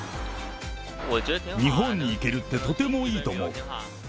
日本に行けるってとてもいいと思う。